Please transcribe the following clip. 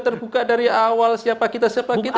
terbuka dari awal siapa kita siapa kita